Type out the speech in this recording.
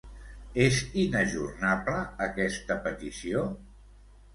És inajornable, aquesta petició?